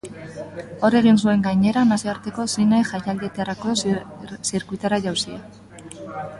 Hor egin zuen gainera nazioarteko zine jaialdietako zirkuitora jauzia.